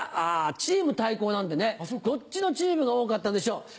チーム対抗なんでねどっちのチームが多かったんでしょう？